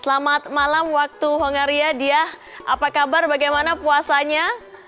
selamat malam waktu hongaria diah apa kabar bagaimana puasanya